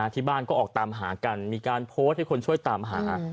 ที่บ้านก็ออกตามหากันมีการโพสต์ให้คนช่วยตามหา